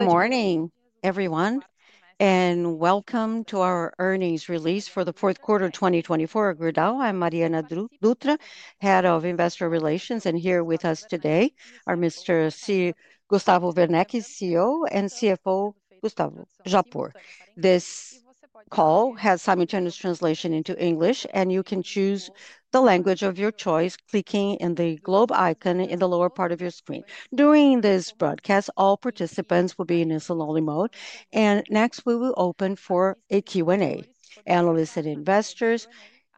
Good morning, everyone, and welcome to our Earnings Release for the Fourth Quarter of 2024. At Gerdau, I'm Mariana Dutra, Head of Investor Relations, and here with us today are Mr. Gustavo Werneck, CEO, and CFO Gustavo Japur. This call has simultaneous translation into English, and you can choose the language of your choice by clicking on the globe icon in the lower part of your screen. During this broadcast, all participants will be in listen-only mode, and next we will open for a Q&A. Analysts and investors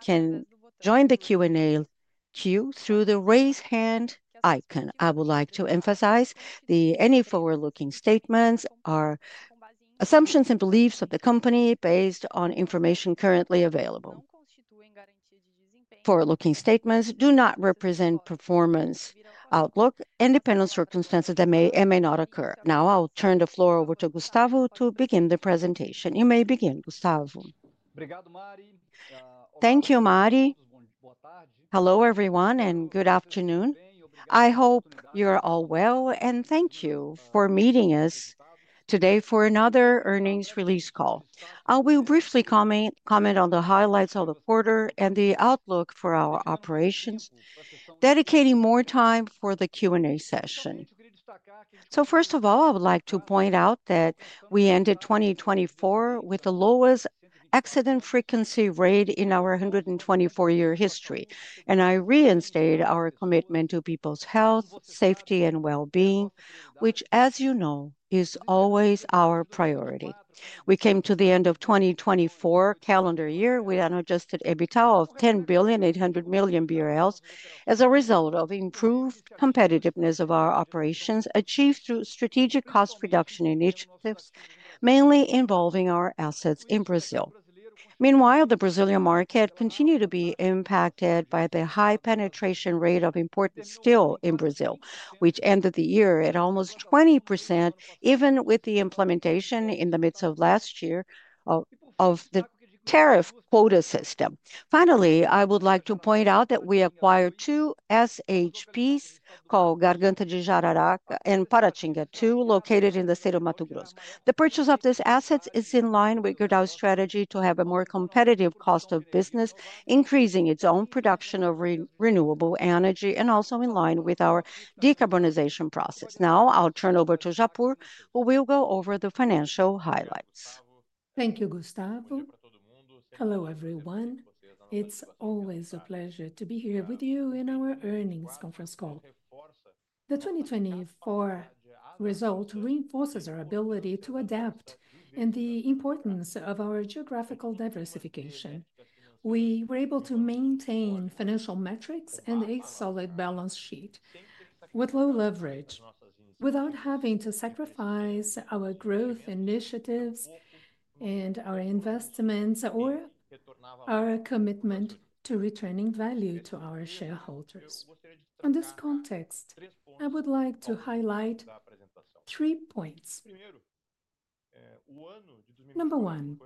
can join the Q&A queue through the raise hand icon. I would like to emphasize that any forward-looking statements are assumptions and beliefs of the company based on information currently available. Forward-looking statements do not represent performance outlook and depend on circumstances that may and may not occur. Now I'll turn the floor over to Gustavo to begin the presentation. You may begin, Gustavo. Thank you, Mari. Hello, everyone, and good afternoon. I hope you're all well, and thank you for meeting us today for another earnings release call. I will briefly comment on the highlights of the quarter and the outlook for our operations, dedicating more time for the Q&A session. So first of all, I would like to point out that we ended 2024 with the lowest accident frequency rate in our 124-year history, and I reinstated our commitment to people's health, safety, and well-being, which, as you know, is always our priority. We came to the end of the 2024 calendar year with an adjusted EBITDA of 10.8 billion as a result of improved competitiveness of our operations achieved through strategic cost reduction initiatives mainly involving our assets in Brazil. Meanwhile, the Brazilian market continued to be impacted by the high penetration rate of imports still in Brazil, which ended the year at almost 20%, even with the implementation in the midst of last year of the tariff quota system. Finally, I would like to point out that we acquired two SHPs called Garganta da Jararaca and Paratinga II, located in the state of Mato Grosso. The purchase of these assets is in line with Gerdau's strategy to have a more competitive cost of business, increasing its own production of renewable energy and also in line with our decarbonization process. Now I'll turn over to Japur, who will go over the financial highlights. Thank you, Gustavo. Hello, everyone. It's always a pleasure to be here with you in our earnings conference call. The 2024 result reinforces our ability to adapt and the importance of our geographical diversification. We were able to maintain financial metrics and a solid balance sheet with low leverage without having to sacrifice our growth initiatives and our investments or our commitment to returning value to our shareholders. In this context, I would like to highlight three points. Number one,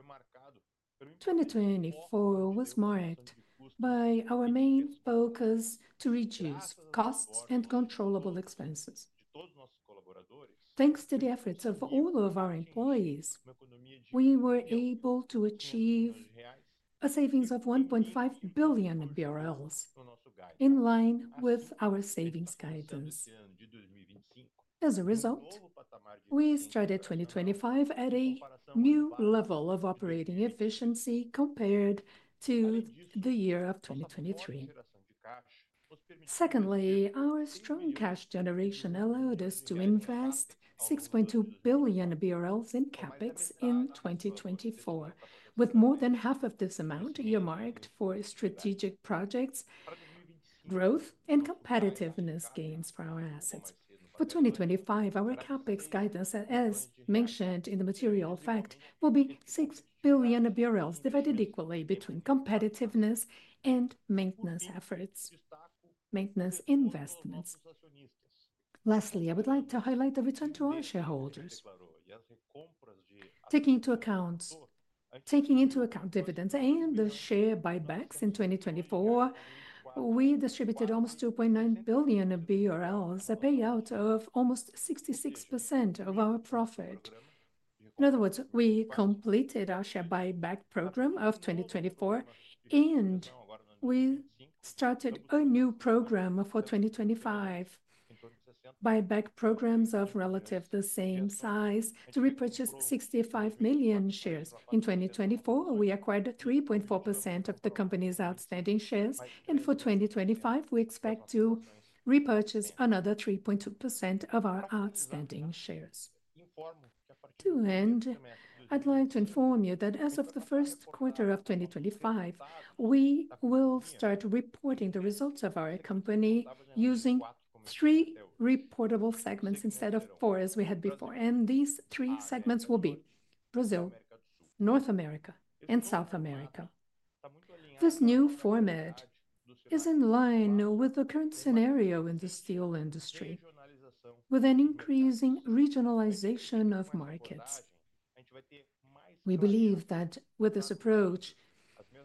2024 was marked by our main focus to reduce costs and controllable expenses. Thanks to the efforts of all of our employees, we were able to achieve savings of 1.5 billion in line with our savings guidance. As a result, we started 2025 at a new level of operating efficiency compared to the year of 2023. Secondly, our strong cash generation allowed us to invest 6.2 billion BRL in CapEx in 2024, with more than half of this amount earmarked for strategic projects, growth, and competitiveness gains for our assets. For 2025, our CapEx guidance, as mentioned in the material fact, will be 6 billion BRL divided equally between competitiveness and maintenance efforts, maintenance investments. Lastly, I would like to highlight the return to our shareholders. Taking into account dividends and the share buybacks in 2024, we distributed almost 2.9 billion BRL, a payout of almost 66% of our profit. In other words, we completed our share buyback program of 2024, and we started a new program for 2025, buyback programs of relative the same size. To repurchase 65 million shares in 2024, we acquired 3.4% of the company's outstanding shares, and for 2025, we expect to repurchase another 3.2% of our outstanding shares. To end, I'd like to inform you that as of the first quarter of 2025, we will start reporting the results of our company using three reportable segments instead of four as we had before, and these three segments will be Brazil, North America, and South America. This new format is in line with the current scenario in the steel industry, with an increasing regionalization of markets. We believe that with this approach,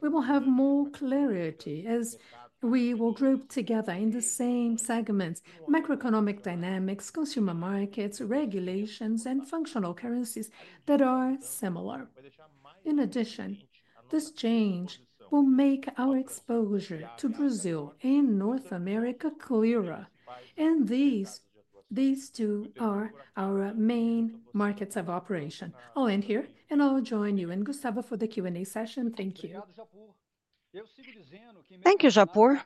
we will have more clarity as we will group together in the same segments macroeconomic dynamics, consumer markets, regulations, and functional currencies that are similar. In addition, this change will make our exposure to Brazil and North America clearer, and these two are our main markets of operation. I'll end here, and I'll join you and Gustavo for the Q&A session. Thank you. Thank you, Japur.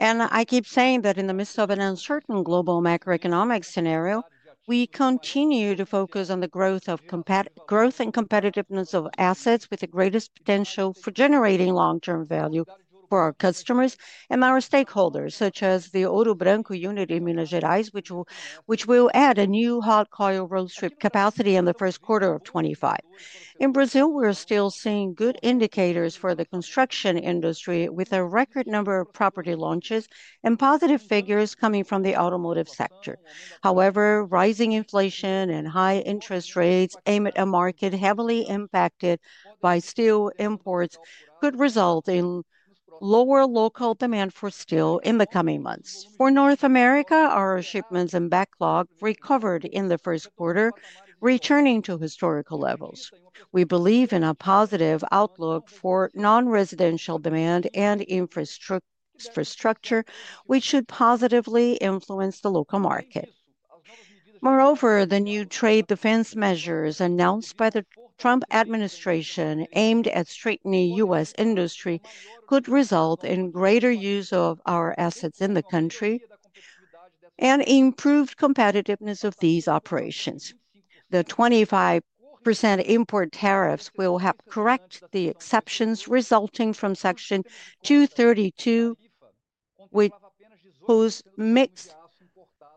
And I keep saying that in the midst of an uncertain global macroeconomic scenario, we continue to focus on the growth and competitiveness of assets with the greatest potential for generating long-term value for our customers and our stakeholders, such as the Ouro Branco Unit in Minas Gerais, which will add a new hot coil rolling capacity in the first quarter of 2025. In Brazil, we're still seeing good indicators for the construction industry with a record number of property launches and positive figures coming from the automotive sector. However, rising inflation and high interest rates in a market heavily impacted by steel imports could result in lower local demand for steel in the coming months. For North America, our shipments and backlog recovered in the first quarter, returning to historical levels. We believe in a positive outlook for non-residential demand and infrastructure, which should positively influence the local market. Moreover, the new trade defense measures announced by the Trump administration aimed at strengthening U.S. industry could result in greater use of our assets in the country and improved competitiveness of these operations. The 25% import tariffs will help correct the exceptions resulting from Section 232, whose mixed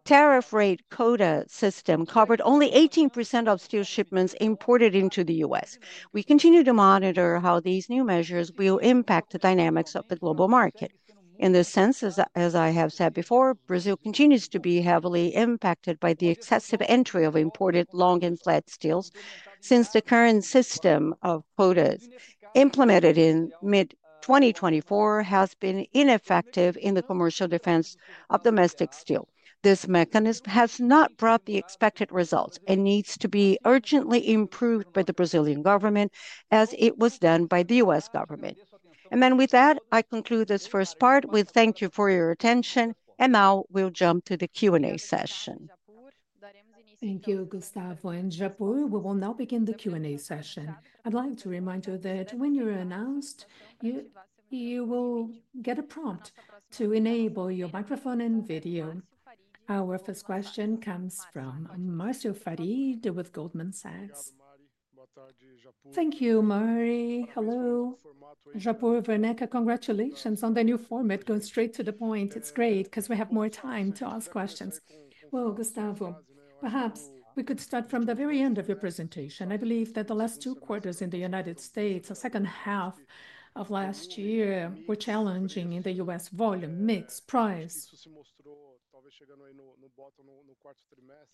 tariff rate quota system covered only 18% of steel shipments imported into the U.S. We continue to monitor how these new measures will impact the dynamics of the global market. In this sense, as I have said before, Brazil continues to be heavily impacted by the excessive entry of imported long and flat steels since the current system of quotas implemented in mid-2024 has been ineffective in the commercial defense of domestic steel. This mechanism has not brought the expected results and needs to be urgently improved by the Brazilian government as it was done by the U.S. government, and then with that, I conclude this first part with thank you for your attention, and now we'll jump to the Q&A session. Thank you, Gustavo and Japur. We will now begin the Q&A session. I'd like to remind you that when you're announced, you will get a prompt to enable your microphone and video. Our first question comes from Marcio Farid with Goldman Sachs. Thank you, Mari. Hello, Japur and Werneck, congratulations on the new format. Go straight to the point. It's great because we have more time to ask questions. Gustavo, perhaps we could start from the very end of your presentation. I believe that the last two quarters in the United States, the second half of last year, were challenging in the U.S. volume mix price.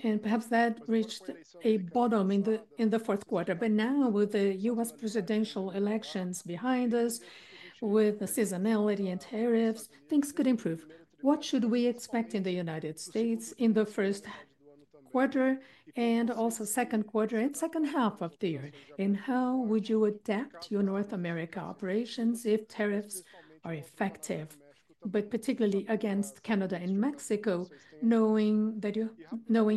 And perhaps that reached a bottom in the fourth quarter. But now, with the U.S. Presidential elections behind us, with the seasonality and tariffs, things could improve. What should we expect in the United States in the first quarter and also second quarter and second half of the year? And how would you adapt your North America operations if tariffs are effective, but particularly against Canada and Mexico, knowing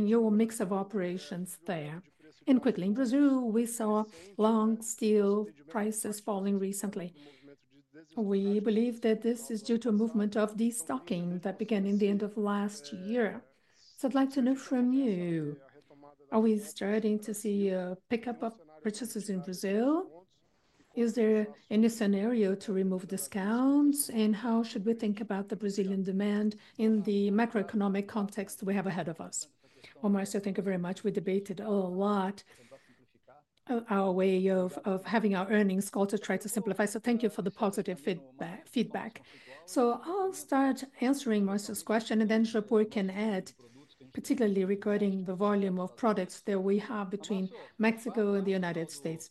your mix of operations there? And quickly, in Brazil, we saw long steel prices falling recently. We believe that this is due to a movement of destocking that began in the end of last year. So I'd like to know from you, are we starting to see a pickup of purchases in Brazil? Is there any scenario to remove discounts? And how should we think about the Brazilian demand in the macroeconomic context we have ahead of us? Well, Marcio, thank you very much. We debated a lot our way of having our earnings call to try to simplify. So thank you for the positive feedback. So I'll start answering Marcio's question, and then Japur can add, particularly regarding the volume of products that we have between Mexico and the United States.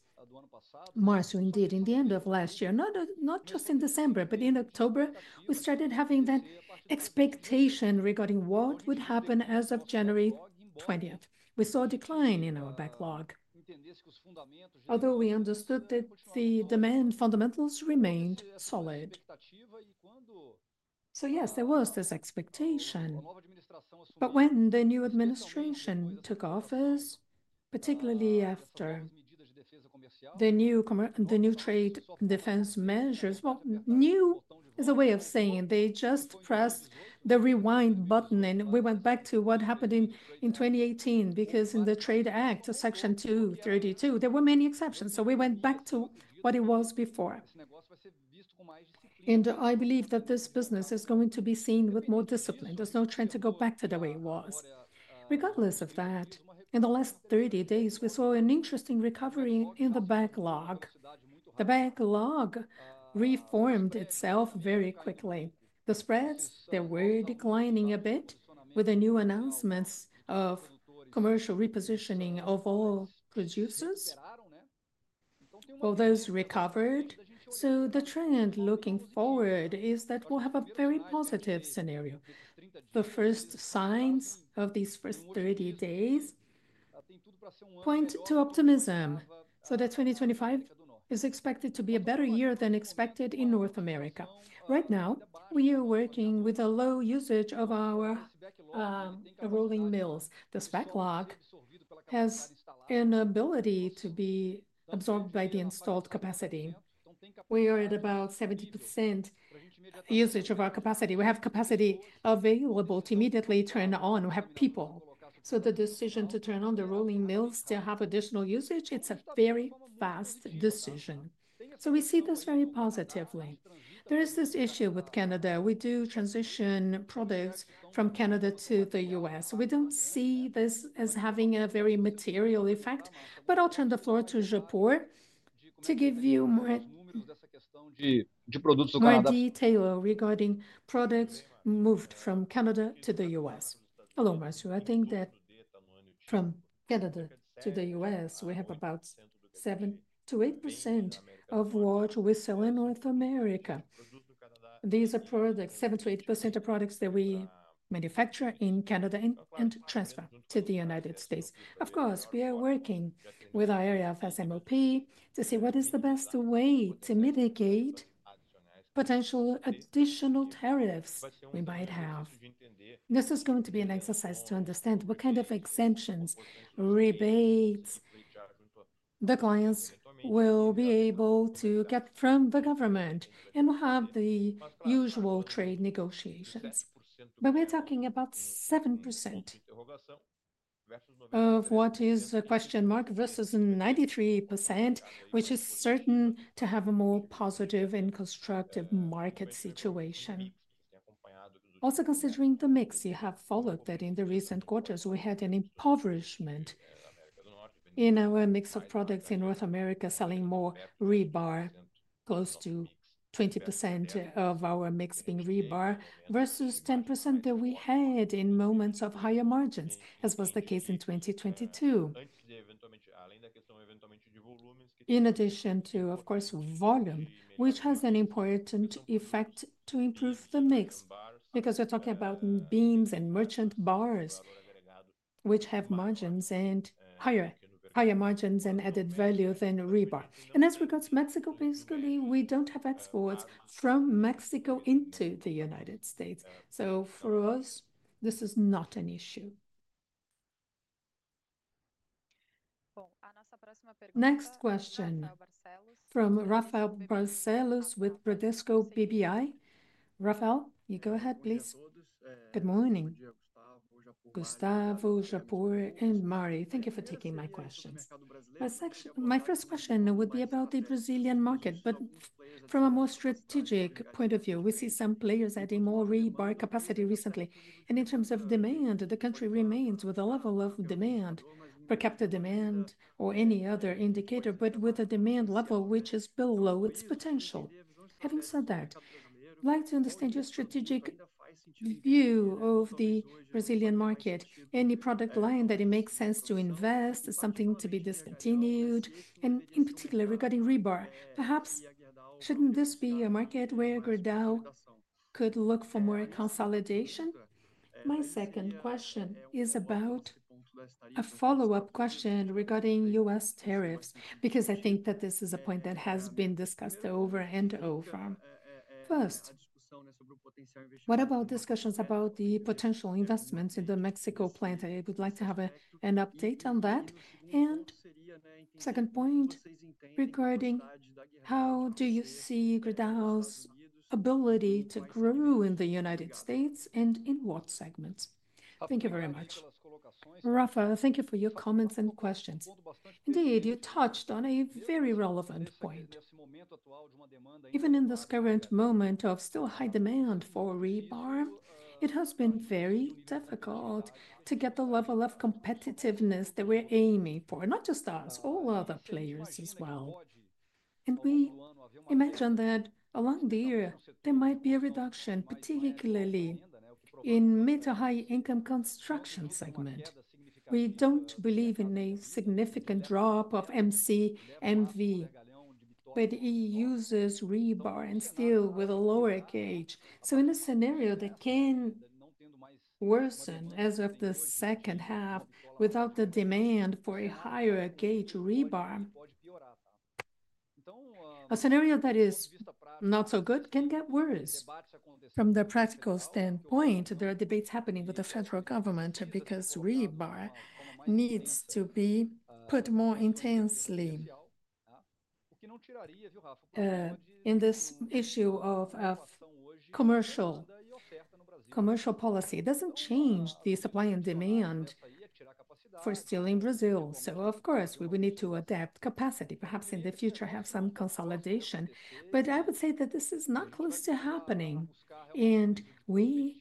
Marcio, indeed, in the end of last year, not just in December, but in October, we started having that expectation regarding what would happen as of January 20th. We saw a decline in our backlog, although we understood that the demand fundamentals remained solid. So yes, there was this expectation. But when the new administration took office, particularly after the new trade defense measures, well, new is a way of saying they just pressed the rewind button and we went back to what happened in 2018 because in the Trade Act, Section 232, there were many exceptions. So we went back to what it was before. And I believe that this business is going to be seen with more discipline. There's no trend to go back to the way it was. Regardless of that, in the last 30 days, we saw an interesting recovery in the backlog. The backlog reformed itself very quickly. The spreads, they were declining a bit with the new announcements of commercial repositioning of all producers. Well, those recovered. So the trend looking forward is that we'll have a very positive scenario. The first signs of these first 30 days point to optimism. So that 2025 is expected to be a better year than expected in North America. Right now, we are working with a low usage of our rolling mills. This backlog has an ability to be absorbed by the installed capacity. We are at about 70% usage of our capacity. We have capacity available to immediately turn on. We have people. So the decision to turn on the rolling mills to have additional usage, it's a very fast decision. So we see this very positively. There is this issue with Canada. We do transition products from Canada to the U.S. We don't see this as having a very material effect, but I'll turn the floor to Japur to give you more detail regarding products moved from Canada to the U.S. Hello, Marcio. I think that from Canada to the U.S., we have about 7%-8% of what we sell in North America. These are products, 7%-8% of products that we manufacture in Canada and transfer to the United States. Of course, we are working with our area of S&OP to see what is the best way to mitigate potential additional tariffs we might have. This is going to be an exercise to understand what kind of exemptions, rebates, the clients will be able to get from the government and have the usual trade negotiations. But we're talking about 7% of what is a question mark versus 93%, which is certain to have a more positive and constructive market situation. Also considering the mix you have followed that in the recent quarters, we had an impoverishment in our mix of products in North America selling more rebar, close to 20% of our mix being rebar versus 10% that we had in moments of higher margins, as was the case in 2022. In addition to, of course, volume, which has an important effect to improve the mix because we're talking about beams and merchant bars, which have margins and higher margins and added value than rebar. As regards Mexico, basically, we don't have exports from Mexico into the United States. So for us, this is not an issue. Next question from Rafael Barcellos with Bradesco BBI. Rafael, you go ahead, please. Good morning. Gustavo, Japur, and Mari, thank you for taking my questions. My first question would be about the Brazilian market, but from a more strategic point of view, we see some players adding more rebar capacity recently. In terms of demand, the country remains with a level of demand, per capita demand or any other indicator, but with a demand level which is below its potential. Having said that, I'd like to understand your strategic view of the Brazilian market. Any product line that it makes sense to invest, something to be discontinued, and in particular regarding rebar, perhaps shouldn't this be a market where Gerdau could look for more consolidation? My second question is about a follow-up question regarding U.S. tariffs because I think that this is a point that has been discussed over and over. First, what about discussions about the potential investments in the Mexico plant? I would like to have an update on that, and second point regarding how do you see Gerdau's ability to grow in the United States and in what segments? Thank you very much. Rafael, thank you for your comments and questions. Indeed, you touched on a very relevant point. Even in this current moment of still high demand for rebar, it has been very difficult to get the level of competitiveness that we're aiming for, not just us, all other players as well. And we imagine that along the year, there might be a reduction, particularly in mid-to-high-income construction segment. We don't believe in a significant drop of MCMV, but it uses rebar and steel with a lower gauge, so in a scenario that can worsen as of the second half without the demand for a higher gauge rebar, a scenario that is not so good can get worse. From the practical standpoint, there are debates happening with the federal government because rebar needs to be put more intensely. In this issue of commercial policy, it doesn't change the supply and demand for steel in Brazil, so of course, we would need to adapt capacity, perhaps in the future have some consolidation, but I would say that this is not close to happening, and we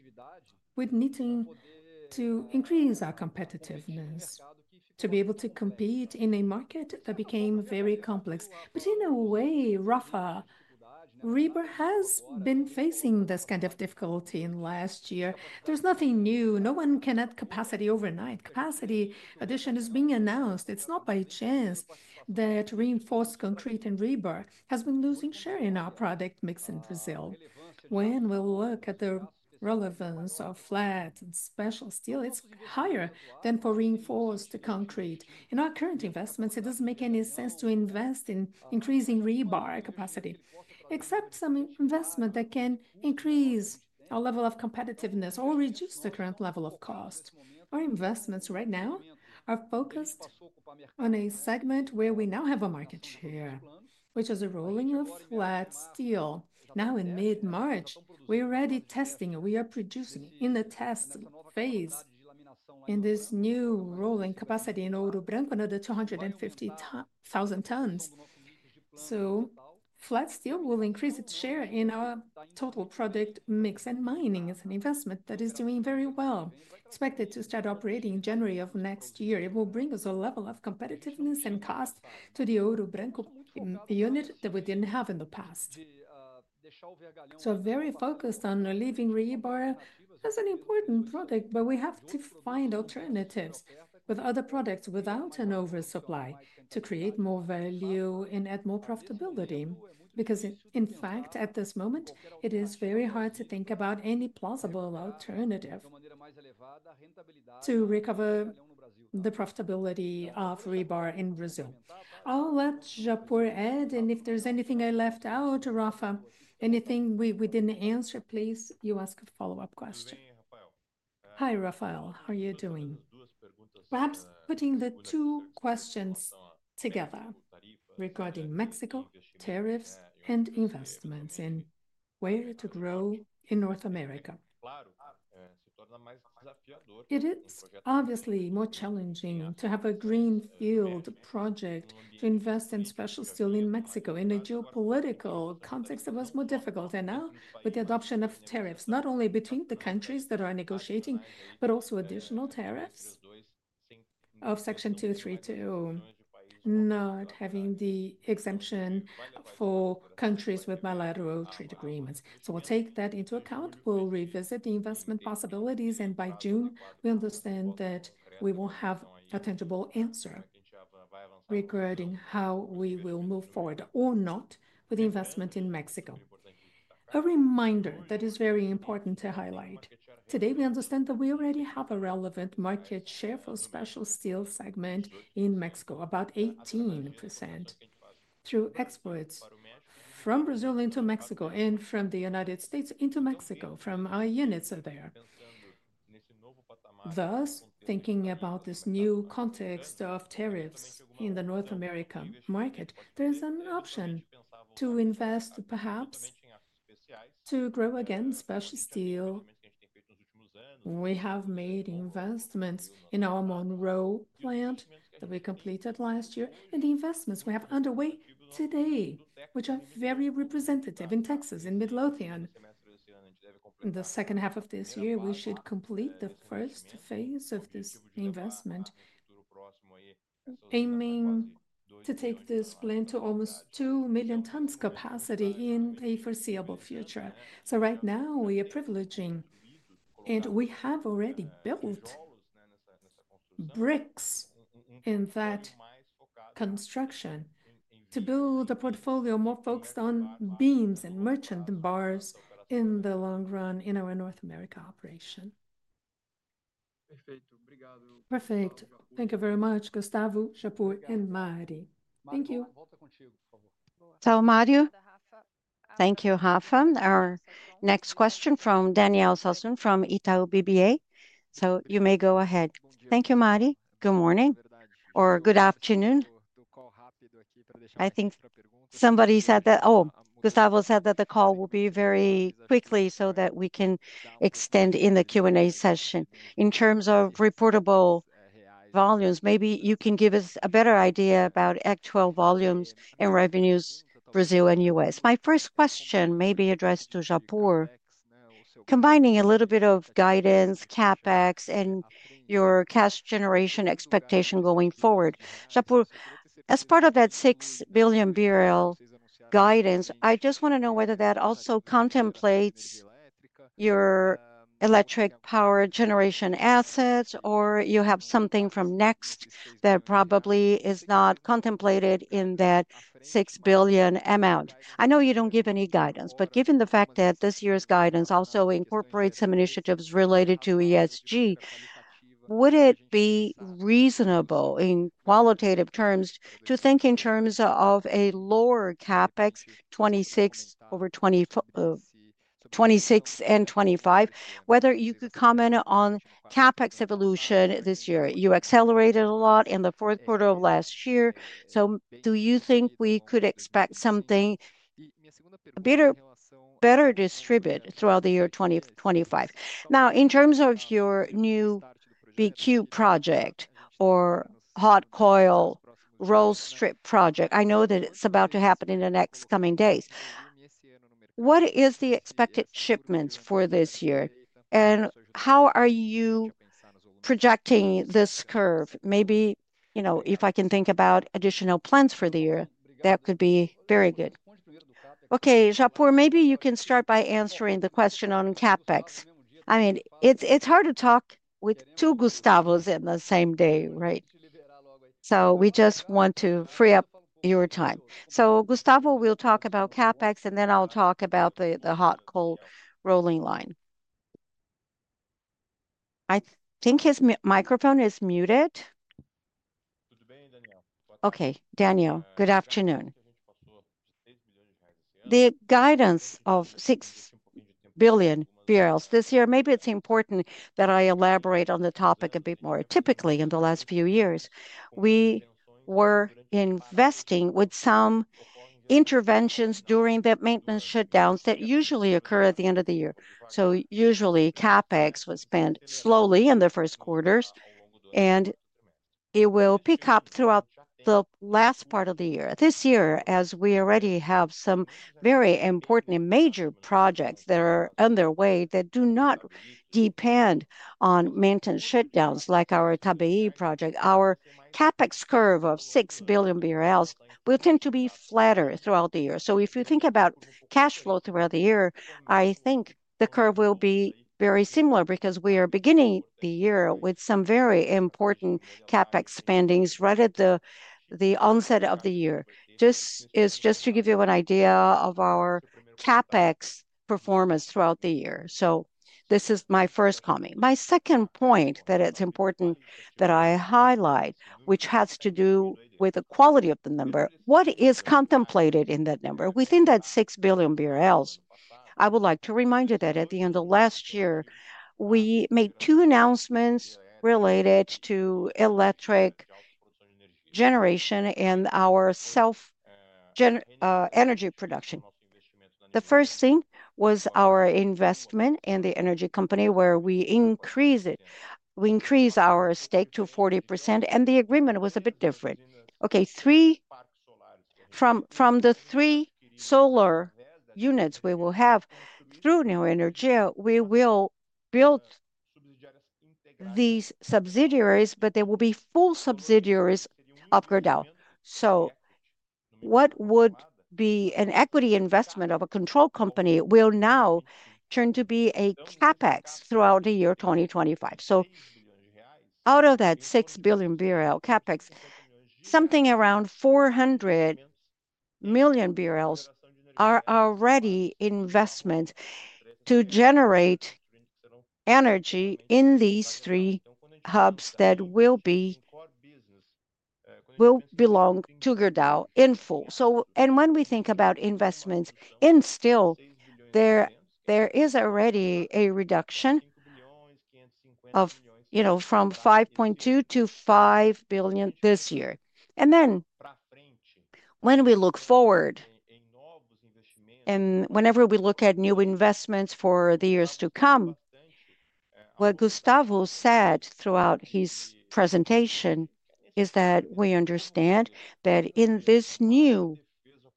would need to increase our competitiveness to be able to compete in a market that became very complex, but in a way, Rafa, rebar has been facing this kind of difficulty in the last year. There's nothing new. No one can add capacity overnight. Capacity addition is being announced. It's not by chance that reinforced concrete and rebar has been losing share in our product mix in Brazil. When we look at the relevance of flat and special steel, it's higher than for reinforced concrete. In our current investments, it doesn't make any sense to invest in increasing rebar capacity, except some investment that can increase our level of competitiveness or reduce the current level of cost. Our investments right now are focused on a segment where we now have a market share, which is the rolling of flat steel. Now in mid-March, we're already testing. We are producing in the test phase in this new rolling capacity in Ouro Branco under the 250,000 tons. So flat steel will increase its share in our total product mix and mining as an investment that is doing very well. Expected to start operating in January of next year. It will bring us a level of competitiveness and cost to the Ouro Branco unit that we didn't have in the past. So very focused on leaving rebar as an important product, but we have to find alternatives with other products without an oversupply to create more value and add more profitability. Because in fact, at this moment, it is very hard to think about any plausible alternative to recover the profitability of rebar in Brazil. I'll let Japur add, and if there's anything I left out, Rafa, anything we didn't answer, please you ask a follow-up question. Hi, Rafael. How are you doing? Perhaps putting the two questions together regarding Mexico, tariffs, and investments in where to grow in North America. It is obviously more challenging to have a greenfield project to invest in special steel in Mexico. In a geopolitical context, it was more difficult, and now with the adoption of tariffs, not only between the countries that are negotiating, but also additional tariffs of Section 232, not having the exemption for countries with bilateral trade agreements, so we'll take that into account. We'll revisit the investment possibilities, and by June, we understand that we will have a tangible answer regarding how we will move forward or not with investment in Mexico. A reminder that is very important to highlight. Today, we understand that we already have a relevant market share for the special steel segment in Mexico, about 18% through exports from Brazil into Mexico and from the United States into Mexico from our units there. Thus, thinking about this new context of tariffs in the North America market, there is an option to invest perhaps to grow again special steel. We have made investments in our Monroe plant that we completed last year, and the investments we have underway today, which are very representative in Texas and Midlothian. In the second half of this year, we should complete the first phase of this investment, aiming to take this plant to almost two million tons capacity in a foreseeable future. So right now, we are privileging, and we have already built bricks in that construction to build a portfolio more focused on beams and merchant bars in the long run in our North America operation. Perfect. Thank you very much, Gustavo Japur, and Mari. Thank you. Ciao, Mariana. Thank you, Rafa. Our next question from Daniel Sasson from Itaú BBA. So you may go ahead. Thank you, Mari. Good morning or good afternoon. I think somebody said that, oh, Gustavo said that the call will be very quickly so that we can extend in the Q&A session. In terms of reportable volumes, maybe you can give us a better idea about actual volumes and revenues, Brazil and U.S. My first question may be addressed to Japur, combining a little bit of guidance, CapEx, and your cash generation expectation going forward. Japur, as part of that 6 billion guidance, I just want to know whether that also contemplates your electric power generation assets, or you have something from Newave that probably is not contemplated in that 6 billion amount. I know you don't give any guidance, but given the fact that this year's guidance also incorporates some initiatives related to ESG, would it be reasonable in qualitative terms to think in terms of a lower CapEx 2026 over 2026 and 2025, whether you could comment on CapEx evolution this year? You accelerated a lot in the fourth quarter of last year. So do you think we could expect something a bit better distributed throughout the year 2025? Now, in terms of your new HRC project or Hot-Rolled Coil strip project, I know that it's about to happen in the next coming days. What is the expected shipments for this year, and how are you projecting this curve? Maybe, you know, if I can think about additional plans for the year, that could be very good. Okay, Japur, maybe you can start by answering the question on CapEx. I mean, it's hard to talk with two Gustavos in the same day, right? So we just want to free up your time. So Gustavo, we'll talk about CapEx, and then I'll talk about the hot coil rolling line. I think his microphone is muted. Okay, Daniel, good afternoon. The guidance of 6 billion this year, maybe it's important that I elaborate on the topic a bit more. Typically, in the last few years, we were investing with some interventions during the maintenance shutdowns that usually occur at the end of the year. So usually, CapEx was spent slowly in the first quarters, and it will pick up throughout the last part of the year. This year, as we already have some very important and major projects that are underway that do not depend on maintenance shutdowns like our Itabirito project, our CapEx curve of 6 billion BRL will tend to be flatter throughout the year. So if you think about cash flow throughout the year, I think the curve will be very similar because we are beginning the year with some very important CapEx spendings right at the onset of the year. This is just to give you an idea of our CapEx performance throughout the year. So this is my first comment. My second point that it's important that I highlight, which has to do with the quality of the number, what is contemplated in that number? Within that 6 billion BRL, I would like to remind you that at the end of last year, we made two announcements related to electric generation and our self-energy production. The first thing was our investment in the energy company where we increase it. We increase our stake to 40%, and the agreement was a bit different. Okay, from the three solar units we will have through Newave Energia, we will build these subsidiaries, but there will be full subsidiaries of Gerdau. So what would be an equity investment of a control company will now turn to be a CapEx throughout the year 2025. So out of that 6 billion BRL CapEx, something around 400 million BRL are already investments to generate energy in these three hubs that will belong to Gerdau in full. When we think about investments in steel, there is already a reduction of, you know, from 5.2 billion - 5 billion this year. Then when we look forward, and whenever we look at new investments for the years to come, what Gustavo said throughout his presentation is that we understand that in this new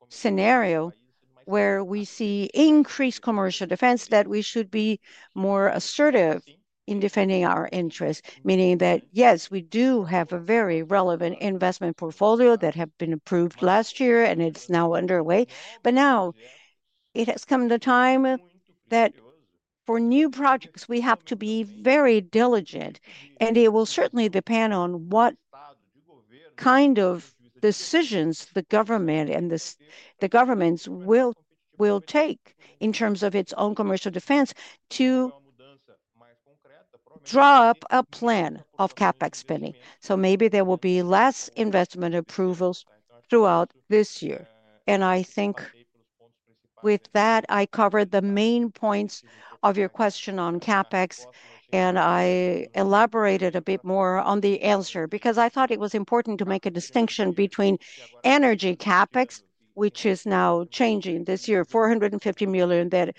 scenario where we see increased commercial defense, that we should be more assertive in defending our interests, meaning that yes, we do have a very relevant investment portfolio that has been approved last year, and it's now underway. Now it has come the time that for new projects, we have to be very diligent, and it will certainly depend on what kind of decisions the government and the governments will take in terms of its own commercial defense to draw up a plan of CapEx spending. So maybe there will be less investment approvals throughout this year. And I think with that, I covered the main points of your question on CapEx, and I elaborated a bit more on the answer because I thought it was important to make a distinction between energy CapEx, which is now changing this year, 450 million that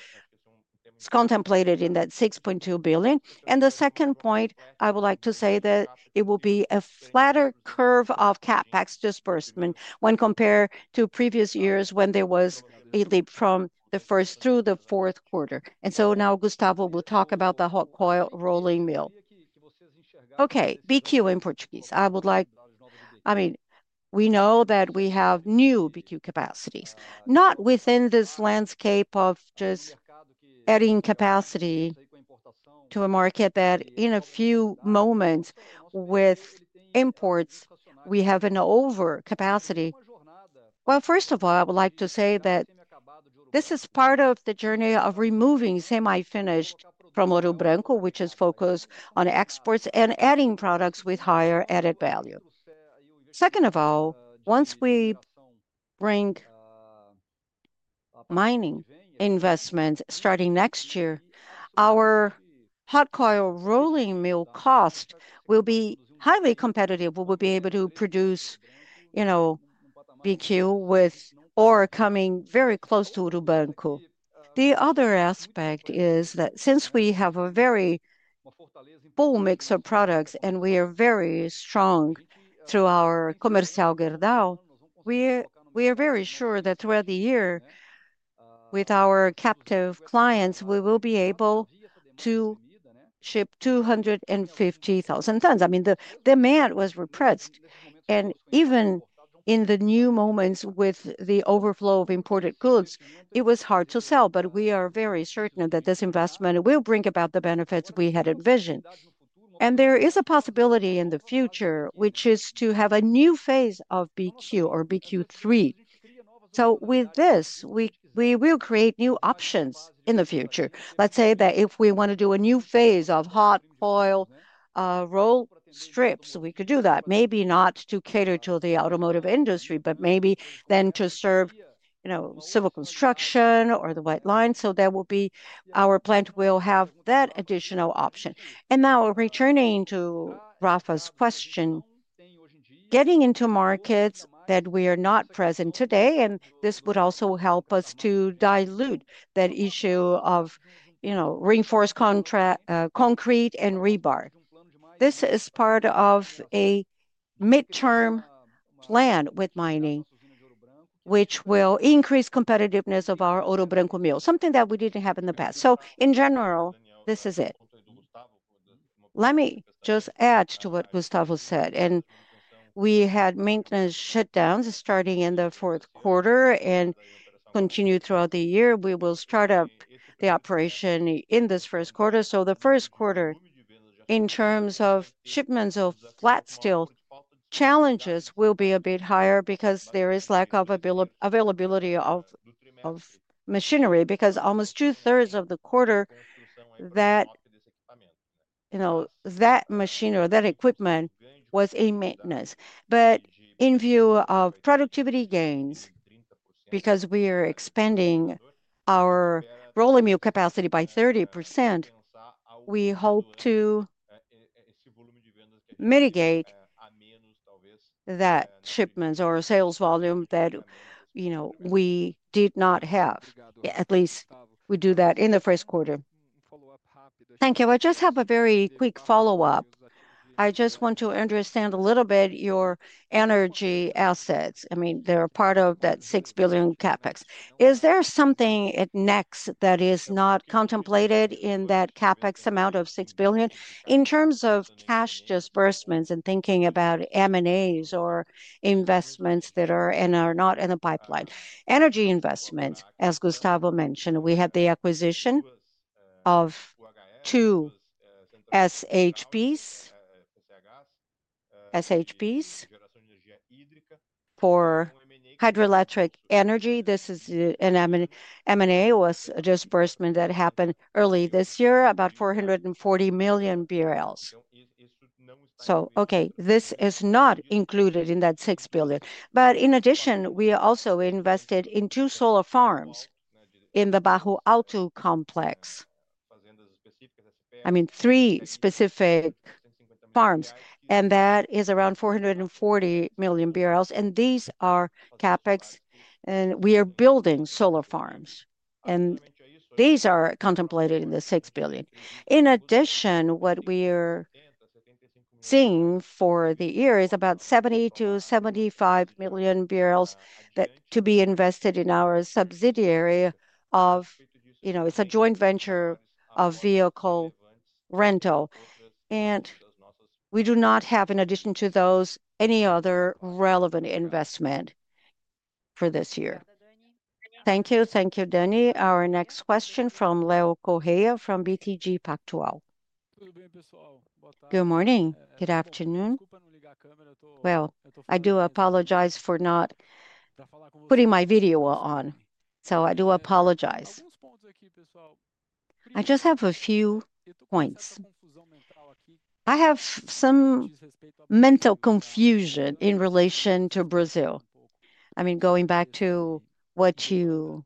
is contemplated in that 6.2 billion. And the second point, I would like to say that it will be a flatter curve of CapEx disbursement when compared to previous years when there was a leap from the first through the fourth quarter. And so now Gustavo will talk about the hot coil rolling mill. Okay, BQ in Portuguese. I would like, I mean, we know that we have new BQ capacities, not within this landscape of just adding capacity to a market that in a few moments with imports, we have an overcapacity. First of all, I would like to say that this is part of the journey of removing semi-finished from Ouro Branco, which is focused on exports and adding products with higher added value. Second of all, once we bring mining investments starting next year, our hot coil rolling mill cost will be highly competitive. We will be able to produce, you know, HRC with or coming very close to Ouro Branco. The other aspect is that since we have a very full mix of products and we are very strong through our Comercial Gerdau, we are very sure that throughout the year with our captive clients, we will be able to ship 250,000 tons. I mean, the demand was repressed, and even in the new moments with the overflow of imported goods, it was hard to sell, but we are very certain that this investment will bring about the benefits we had envisioned. There is a possibility in the future, which is to have a new phase of HRC or HRC 3. So with this, we will create new options in the future. Let's say that if we want to do a new phase of hot coil roll strips, we could do that. Maybe not to cater to the automotive industry, but maybe then to serve, you know, civil construction or the white line. So our plant will have that additional option. And now, returning to Rafa's question, getting into markets that we are not present today, and this would also help us to dilute that issue of, you know, reinforced concrete and rebar. This is part of a midterm plan with mining, which will increase the competitiveness of our Ouro Branco mill, something that we didn't have in the past. So in general, this is it. Let me just add to what Gustavo said, and we had maintenance shutdowns starting in the fourth quarter and continue throughout the year. We will start up the operation in this first quarter. So the first quarter, in terms of shipments of flat steel, challenges will be a bit higher because there is a lack of availability of machinery, because almost two-thirds of the quarter that, you know, that machine or that equipment was in maintenance. But in view of productivity gains, because we are expanding our rolling mill capacity by 30%, we hope to mitigate that shipments or sales volume that, you know, we did not have. At least we do that in the first quarter. Thank you. I just have a very quick follow-up. I just want to understand a little bit your energy assets. I mean, they're a part of that 6 billion CapEx. Is there something at Newave that is not contemplated in that CapEx amount of 6 billion? In terms of cash disbursements and thinking about M&As or investments that are and are not in the pipeline. Energy investments, as Gustavo mentioned, we had the acquisition of two SHPs for hydroelectric energy. This is an M&A or disbursement that happened early this year, about 440 million BRL. So, okay, this is not included in that 6 billion. But in addition, we also invested in two solar farms in the Barro Alto complex. I mean, three specific farms, and that is around 440 million. And these are CapEx, and we are building solar farms, and these are contemplated in the 6 billion. In addition, what we are seeing for the year is about 70 million - 75 million to be invested in our subsidiary of, you know, it's a joint venture of vehicle rental. And we do not have, in addition to those, any other relevant investment for this year. Thank you. Thank you, Dani. Our next question from Leo Correia from BTG Pactual. Good morning. Good afternoon. Well, I do apologize for not putting my video on. So I do apologize. I just have a few points. I have some mental confusion in relation to Brazil. I mean, going back to what you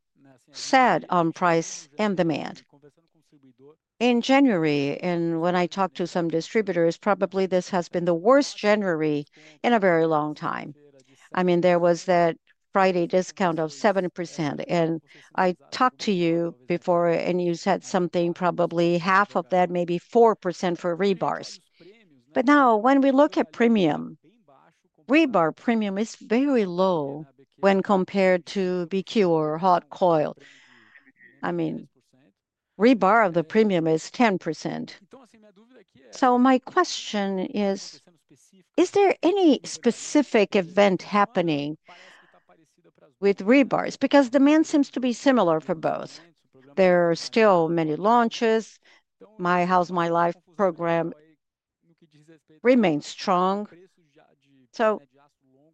said on price and demand. In January, and when I talked to some distributors, probably this has been the worst January in a very long time. I mean, there was that Friday discount of 7%, and I talked to you before, and you said something probably half of that, maybe 4% for rebars but now when we look at premium, rebar premium is very low when compared to HRC or hot coil. I mean, rebar of the premium is 10%, so my question is, is there any specific event happening with rebars? Because demand seems to be similar for both. There are still many launches. My House My Life program remains strong, so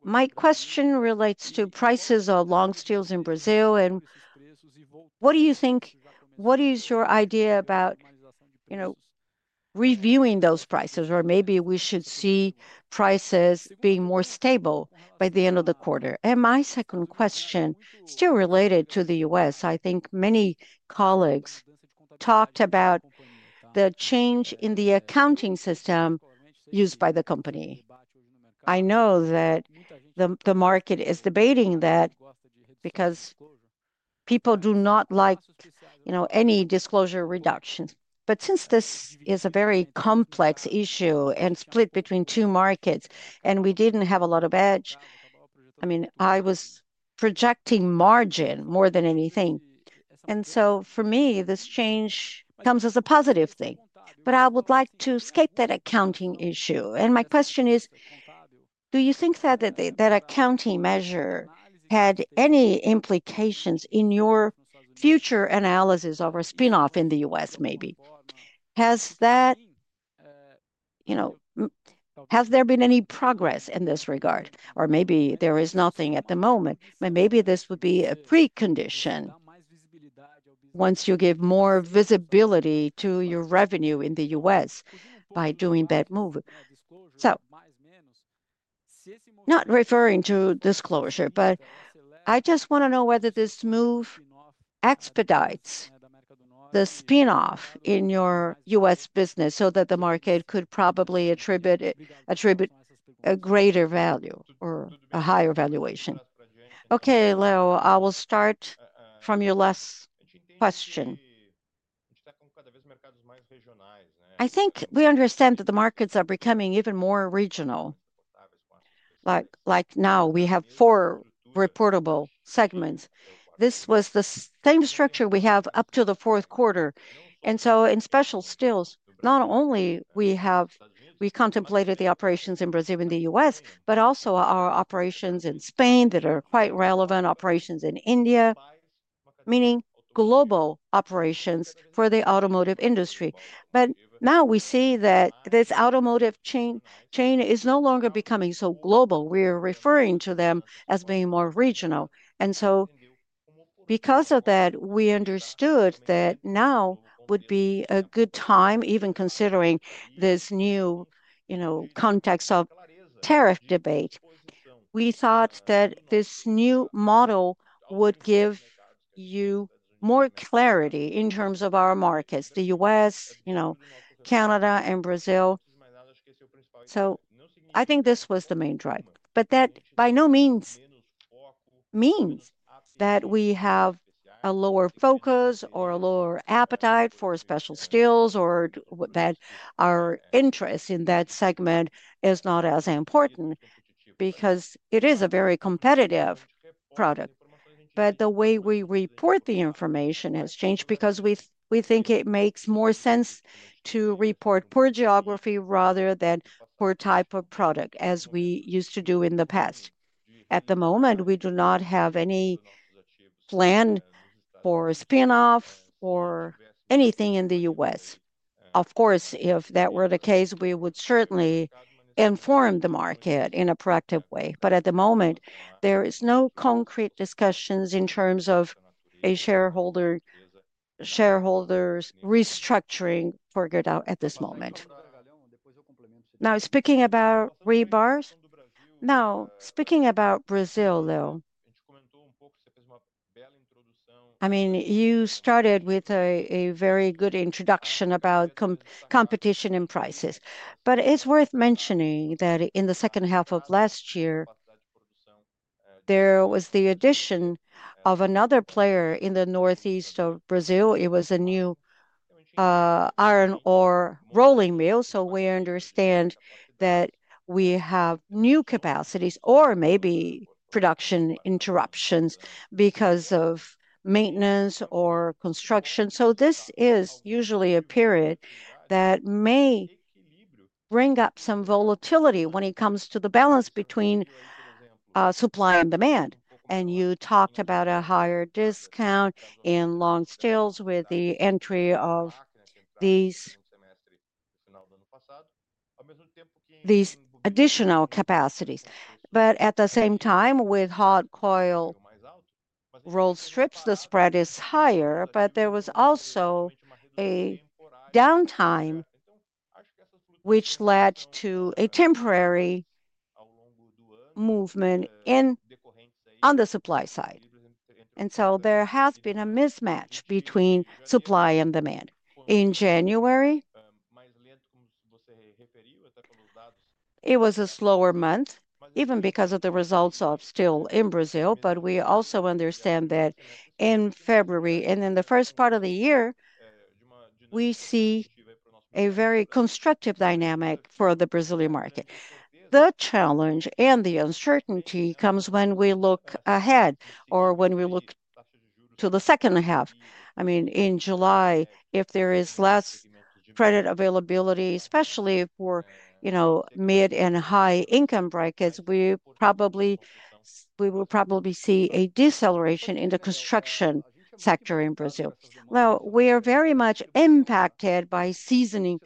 my question relates to prices of long steels in Brazil, and what do you think? What is your idea about, you know, reviewing those prices? Or maybe we should see prices being more stable by the end of the quarter. And my second question is still related to the U.S. I think many colleagues talked about the change in the accounting system used by the company. I know that the market is debating that because people do not like, you know, any disclosure reductions. But since this is a very complex issue and split between two markets, and we didn't have a lot of edge, I mean, I was projecting margin more than anything. And so for me, this change comes as a positive thing. But I would like to escape that accounting issue. And my question is, do you think that that accounting measure had any implications in your future analysis of a spinoff in the U.S. maybe? Has that, you know, has there been any progress in this regard? Or maybe there is nothing at the moment. But maybe this would be a precondition once you give more visibility to your revenue in the U.S. by doing that move. So not referring to disclosure, but I just want to know whether this move expedites the spinoff in your U.S. business so that the market could probably attribute a greater value or a higher valuation. Okay, Leo, I will start from your last question. I think we understand that the markets are becoming even more regional. Like now we have four reportable segments. This was the same structure we have up to the fourth quarter. And so in special steels, not only do we have contemplated the operations in Brazil and the U.S., but also our operations in Spain that are quite relevant, operations in India, meaning global operations for the automotive industry. But now we see that this automotive chain is no longer becoming so global. We are referring to them as being more regional. And so because of that, we understood that now would be a good time, even considering this new, you know, context of tariff debate. We thought that this new model would give you more clarity in terms of our markets, the U.S., you know, Canada and Brazil. So I think this was the main drive. But that by no means means that we have a lower focus or a lower appetite for special steels or that our interest in that segment is not as important because it is a very competitive product. But the way we report the information has changed because we think it makes more sense to report by geography rather than by type of product as we used to do in the past. At the moment, we do not have any plan for spinoff or anything in the U.S. Of course, if that were the case, we would certainly inform the market in a proactive way. But at the moment, there are no concrete discussions in terms of a shareholder restructuring for Gerdau at this moment. Now, speaking about rebars, now speaking about Brazil, Leo, I mean, you started with a very good introduction about competition and prices. But it's worth mentioning that in the second half of last year, there was the addition of another player in the northeast of Brazil. It was a new iron ore rolling mill. So we understand that we have new capacities or maybe production interruptions because of maintenance or construction. So this is usually a period that may bring up some volatility when it comes to the balance between supply and demand. You talked about a higher discount in long steels with the entry of these additional capacities. But at the same time, with hot coil roll strips, the spread is higher, but there was also a downtime which led to a temporary movement on the supply side. There has been a mismatch between supply and demand. In January, it was a slower month, even because of the results of steel in Brazil. We also understand that in February and in the first part of the year, we see a very constructive dynamic for the Brazilian market. The challenge and the uncertainty comes when we look ahead or when we look to the second half. I mean, in July, if there is less credit availability, especially for, you know, mid and high income brackets, we probably will see a deceleration in the construction sector in Brazil. Now, we are very much impacted by seasonal,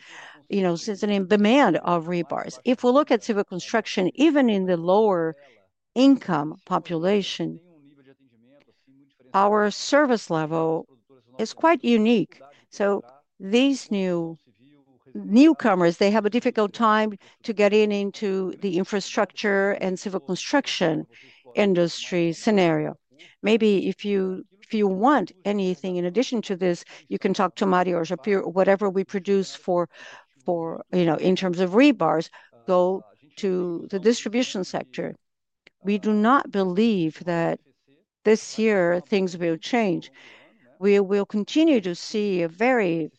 you know, seasonal demand of rebars. If we look at civil construction, even in the lower income population, our service level is quite unique. So these new newcomers, they have a difficult time to get into the infrastructure and civil construction industry scenario. Maybe if you want anything in addition to this, you can talk to Mariana or Japur, whatever we produce for, you know, in terms of rebars, go to the distribution sector. We do not believe that this year things will change. We will continue to see a very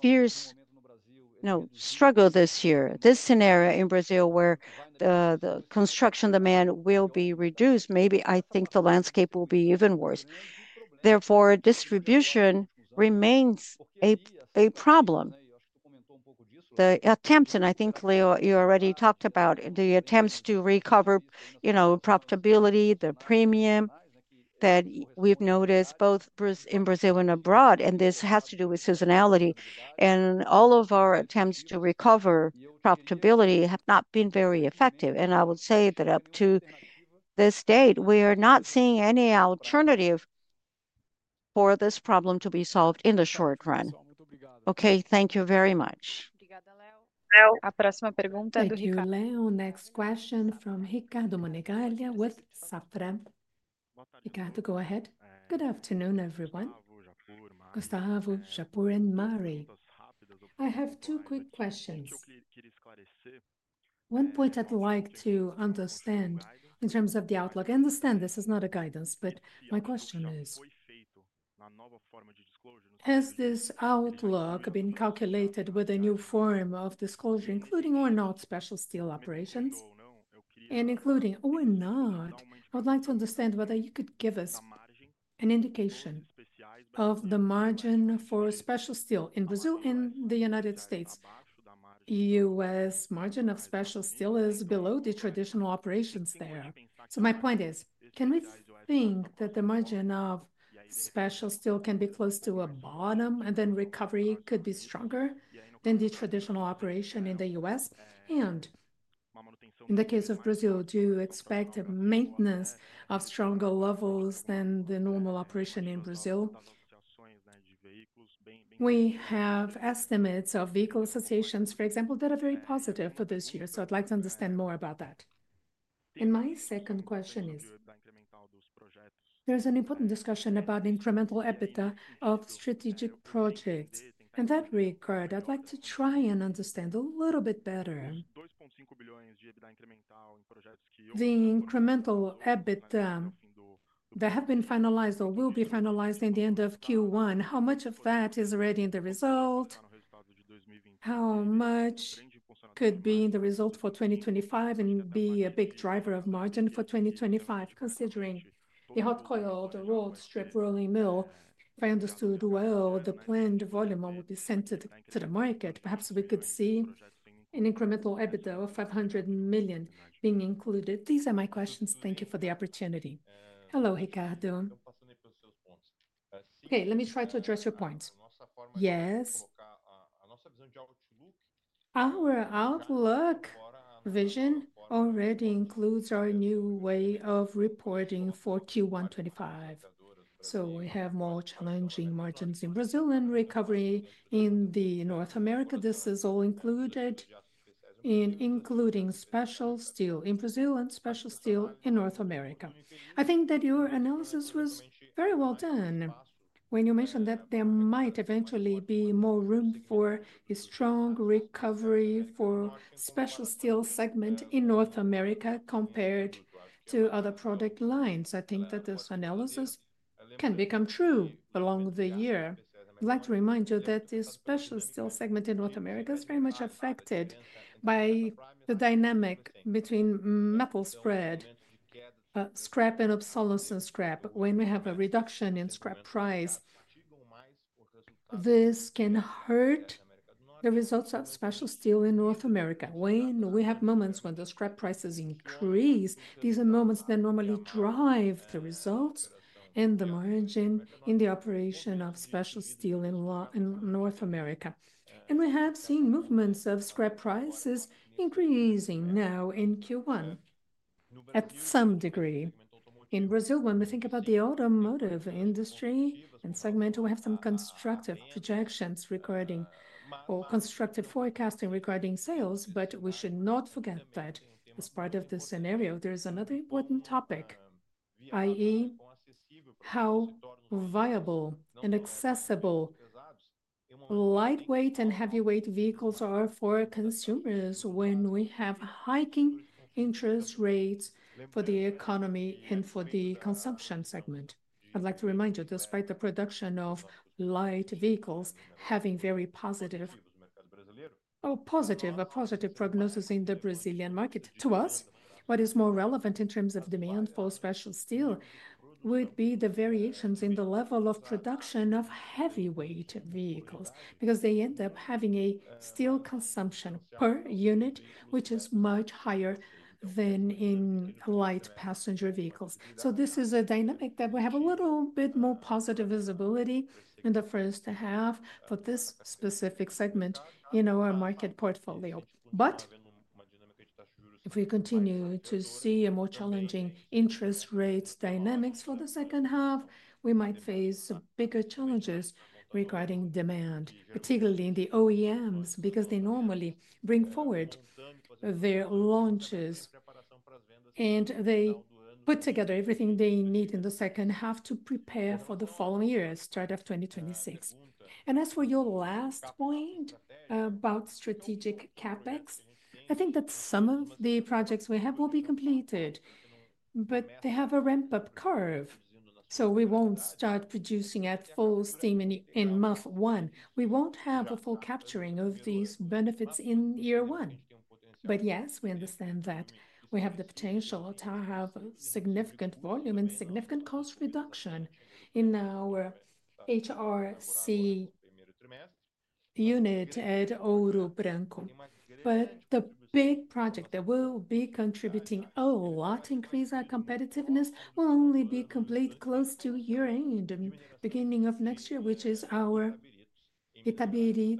fierce, you know, struggle this year, this scenario in Brazil where the construction demand will be reduced. Maybe I think the landscape will be even worse. Therefore, distribution remains a problem. The attempts, and I think, Leo, you already talked about the attempts to recover, you know, profitability, the premium that we've noticed both in Brazil and abroad, and this has to do with seasonality, and all of our attempts to recover profitability have not been very effective, and I would say that up to this date, we are not seeing any alternative for this problem to be solved in the short run. Okay, thank you very much. Next question from Ricardo Monegaglia with Safra. Ricardo, go ahead. Good afternoon, everyone. Gustavo Japur and Mari. I have two quick questions. One point I'd like to understand in terms of the outlook. I understand this is not a guidance, but my question is, has this outlook been calculated with a new form of disclosure, including or not special steel operations? And including or not, I would like to understand whether you could give us an indication of the margin for special steel in Brazil and the United States. The U.S. margin of special steel is below the traditional operations there. So my point is, can we think that the margin of special steel can be close to a bottom and then recovery could be stronger than the traditional operation in the U.S.? And in the case of Brazil, do you expect a maintenance of stronger levels than the normal operation in Brazil? We have estimates of vehicle associations, for example, that are very positive for this year. So I'd like to understand more about that. And my second question is, there's an important discussion about incremental EBITDA of strategic projects. In that regard, I'd like to try and understand a little bit better. The incremental EBITDA that have been finalized or will be finalized in the end of Q1, how much of that is already in the result? How much could be in the result for 2025 and be a big driver of margin for 2025? Considering the hot coil, the hot strip rolling mill, if I understood well, the planned volume will be sent to the market. Perhaps we could see an incremental EBITDA of 500 million being included. These are my questions. Thank you for the opportunity. Hello, Ricardo. Okay, let me try to address your points. Yes. Our outlook vision already includes our new way of reporting for Q1-25, so we have more challenging margins in Brazil and recovery in North America. This is all included, including special steel in Brazil and special steel in North America. I think that your analysis was very well done when you mentioned that there might eventually be more room for a strong recovery for the special steel segment in North America compared to other product lines. I think that this analysis can become true along the year. I'd like to remind you that the special steel segment in North America is very much affected by the dynamic between metal spread, scrap, and obsolescence scrap. When we have a reduction in scrap price, this can hurt the results of special steel in North America. When we have moments when the scrap prices increase, these are moments that normally drive the results and the margin in the operation of special steel in North America. And we have seen movements of scrap prices increasing now in Q1 at some degree. In Brazil, when we think about the automotive industry and segment, we have some constructive projections regarding or constructive forecasting regarding sales. But we should not forget that as part of the scenario, there is another important topic, i.e., how viable and accessible lightweight and heavyweight vehicles are for consumers when we have hiking interest rates for the economy and for the consumption segment. I'd like to remind you, despite the production of light vehicles having very positive or positive a positive prognosis in the Brazilian market, to us, what is more relevant in terms of demand for special steel would be the variations in the level of production of heavyweight vehicles because they end up having a steel consumption per unit, which is much higher than in light passenger vehicles. This is a dynamic that we have a little bit more positive visibility in the first half for this specific segment in our market portfolio. If we continue to see a more challenging interest rates dynamics for the second half, we might face bigger challenges regarding demand, particularly in the OEMs, because they normally bring forward their launches and they put together everything they need in the second half to prepare for the following year, start of 2026. As for your last point about strategic CapEx, I think that some of the projects we have will be completed, but they have a ramp-up curve. We won't start producing at full steam in month one. We won't have a full capturing of these benefits in year one. But yes, we understand that we have the potential to have significant volume and significant cost reduction in our HRC unit at Ouro Branco. But the big project that will be contributing a lot to increase our competitiveness will only be complete close to year-end, beginning of next year, which is our Itabirito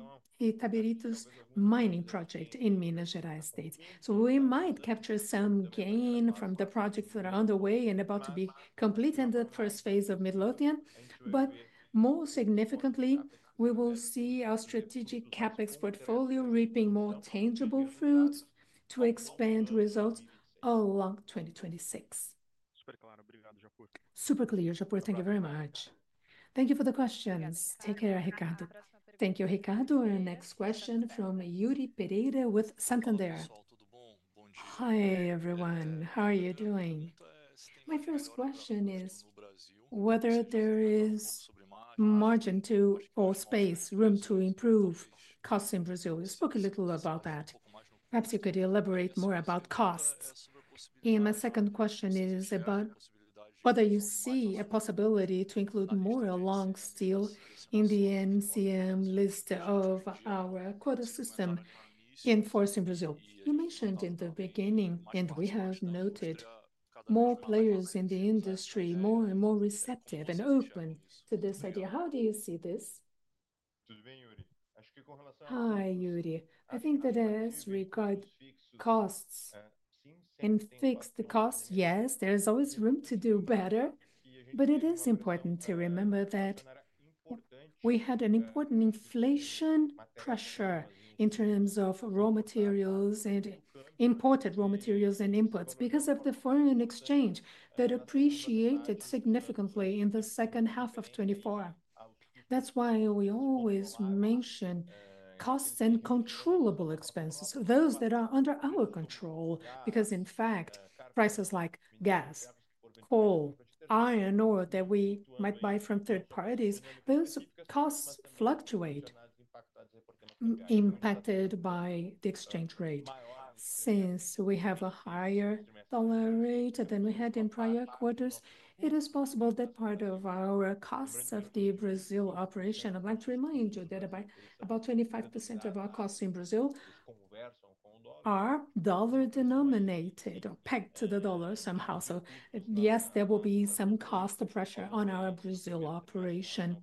mining project in Minas Gerais State. So we might capture some gain from the projects that are on the way and about to be completed in the first phase of Midlothian. But more significantly, we will see our strategic CapEx portfolio reaping more tangible fruits to expand results along 2026. Super clear, Japur, thank you very much. Thank you for the questions. Take care, Ricardo. Thank you, Ricardo. And next question from Yuri Pereira with Santander. Hi everyone, how are you doing? My first question is whether there is margin to or space, room to improve costs in Brazil. You spoke a little about that. Perhaps you could elaborate more about costs. And my second question is about whether you see a possibility to include more long steel in the NCM list of our quota system in force in Brazil. You mentioned in the beginning, and we have noted more players in the industry, more and more receptive and open to this idea. How do you see this? Hi, Yuri. I think that as regards costs and fixed costs, yes, there is always room to do better. But it is important to remember that we had an important inflation pressure in terms of raw materials and imported raw materials and inputs because of the foreign exchange that appreciated significantly in the second half of 2024. That's why we always mention costs and controllable expenses, those that are under our control, because in fact, prices like gas, coal, iron ore that we might buy from third parties, those costs fluctuate, impacted by the exchange rate. Since we have a higher dollar rate than we had in prior quarters, it is possible that part of our costs of the Brazil operation. I'd like to remind you that about 25% of our costs in Brazil are dollar-denominated or pegged to the dollar somehow. So yes, there will be some cost pressure on our Brazil operation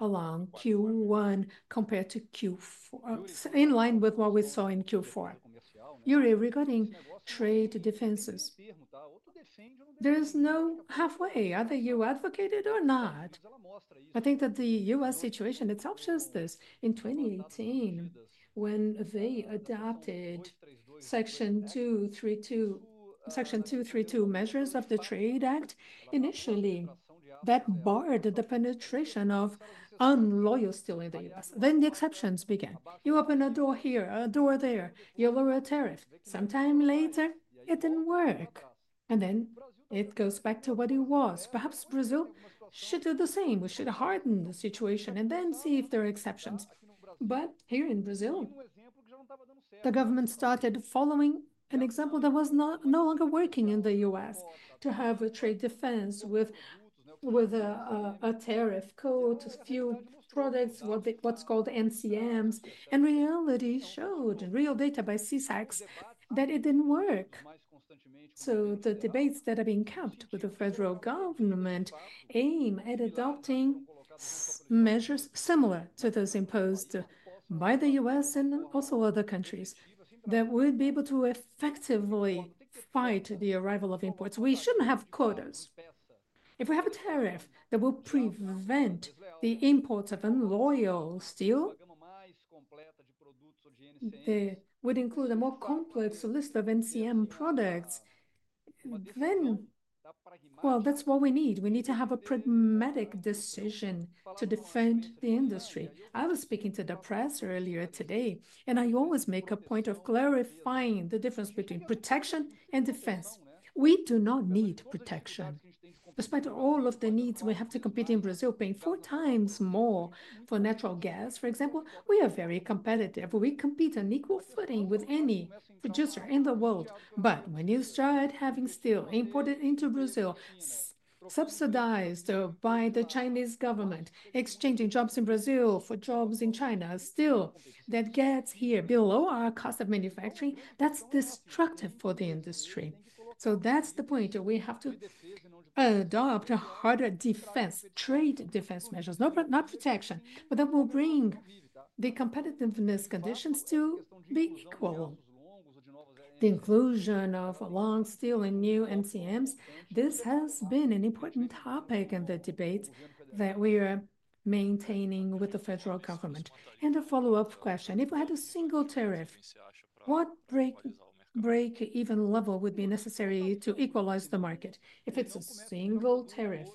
along Q1 compared to Q4, in line with what we saw in Q4. Yuri, regarding trade defenses, there is no halfway, either you advocate it or not. I think that the U.S. situation itself shows this. In 2018, when they adopted Section 232 measures of the Trade Act, initially that barred the penetration of unloyal steel in the U.S., then the exceptions began. You open a door here, a door there, you lower a tariff. Sometime later, it didn't work, and then it goes back to what it was. Perhaps Brazil should do the same. We should harden the situation and then see if there are exceptions, but here in Brazil, the government started following an example that was no longer working in the U.S. to have a trade defense with a tariff code to a few products, what's called NCMs, and reality showed, and real data by SECEX, that it didn't work. So the debates that are being kept with the federal government aim at adopting measures similar to those imposed by the U.S. and also other countries that would be able to effectively fight the arrival of imports. We shouldn't have quotas. If we have a tariff that will prevent the import of unloyal steel, that would include a more complex list of NCM products, then, well, that's what we need. We need to have a pragmatic decision to defend the industry. I was speaking to the press earlier today, and I always make a point of clarifying the difference between protection and defense. We do not need protection. Despite all of the needs we have to compete in Brazil, paying four times more for natural gas, for example, we are very competitive. We compete on equal footing with any producer in the world. But when you start having steel imported into Brazil, subsidized by the Chinese government, exchanging jobs in Brazil for jobs in China, steel that gets here below our cost of manufacturing, that's destructive for the industry. So that's the point. We have to adopt a harder defense, trade defense measures, not protection, but that will bring the competitiveness conditions to be equal. The inclusion of long steel and new NCMs, this has been an important topic in the debates that we are maintaining with the federal government. And a follow-up question. If we had a single tariff, what break-even level would be necessary to equalize the market? If it's a single tariff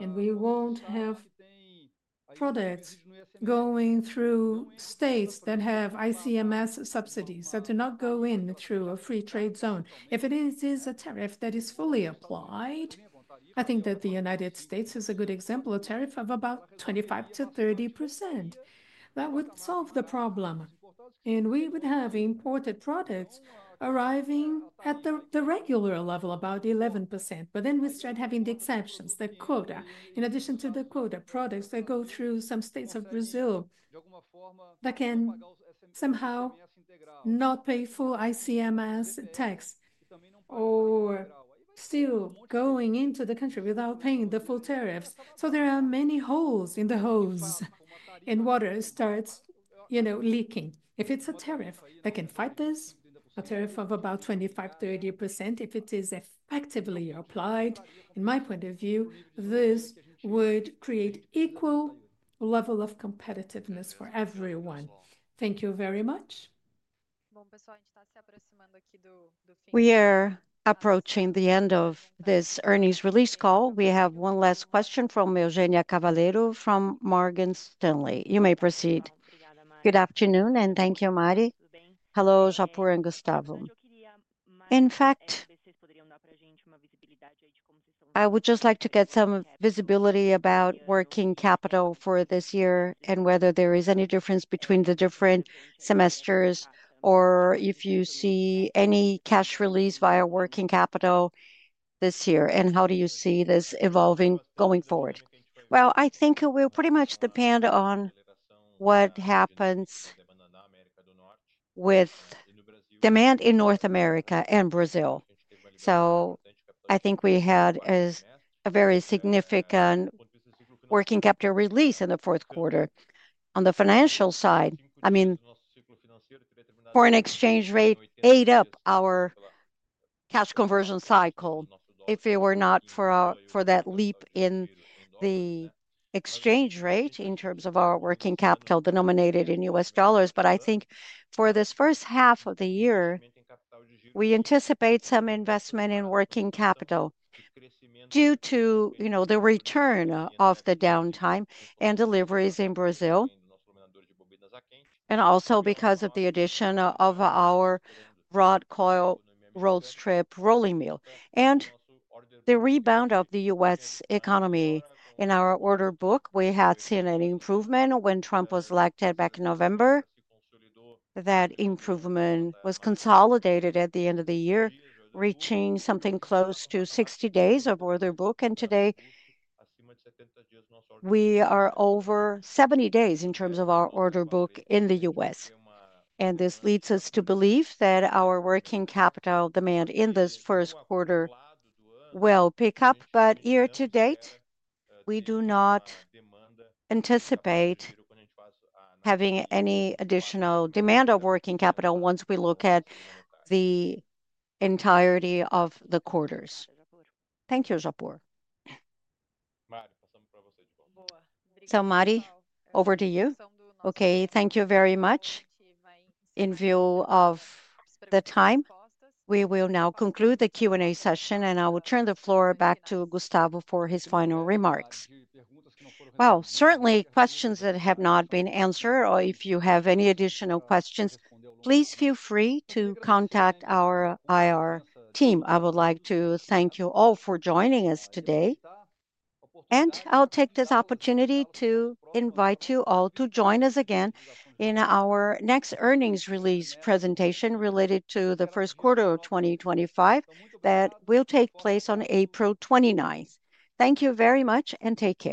and we won't have products going through states that have ICMS subsidies that do not go in through a free trade zone, if it is a tariff that is fully applied, I think that the United States is a good example, a tariff of about 25%-30%. That would solve the problem. And we would have imported products arriving at the regular level, about 11%. But then we start having the exceptions, the quota. In addition to the quota products that go through some states of Brazil that can somehow not pay full ICMS tax or steel going into the country without paying the full tariffs. So there are many holes in the hose and water starts, you know, leaking. If it's a tariff that can fight this, a tariff of about 25-30%, if it is effectively applied, in my point of view, this would create an equal level of competitiveness for everyone. Thank you very much. We are approaching the end of this earnings release call. We have one last question from Eugenia Cavalheiro from Morgan Stanley. You may proceed. Good afternoon, and thank you, Mari. Hello, Japur and Gustavo. In fact, I would just like to get some visibility about working capital for this year and whether there is any difference between the different semesters or if you see any cash release via working capital this year. And how do you see this evolving going forward? Well, I think it will pretty much depend on what happens with demand in North America and Brazil.So I think we had a very significant working capital release in the fourth quarter. On the financial side, I mean, foreign exchange rate ate up our cash conversion cycle if it were not for that leap in the exchange rate in terms of our working capital denominated in U.S. dollars. But I think for this first half of the year, we anticipate some investment in working capital due to, you know, the return of the downtime and deliveries in Brazil, and also because of the addition of our hot coil rod strip rolling mill and the rebound of the U.S. economy. In our order book, we had seen an improvement when Trump was elected back in November. That improvement was consolidated at the end of the year, reaching something close to 60 days of order book. Today, we are over 70 days in terms of our order book in the U.S. This leads us to believe that our working capital demand in this first quarter will pick up. Year to date, we do not anticipate having any additional demand of working capital once we look at the entirety of the quarters. Thank you, Japur. Mari, over to you. Okay, thank you very much. In view of the time, we will now conclude the Q&A session, and I will turn the floor back to Gustavo for his final remarks. Certainly questions that have not been answered, or if you have any additional questions, please feel free to contact our IR team. I would like to thank you all for joining us today. I'll take this opportunity to invite you all to join us again in our next earnings release presentation related to the first quarter of 2025 that will take place on April 29th. Thank you very much, and take care.